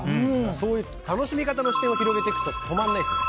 そういった楽しみ方の視点を広げていくと止まらないですね。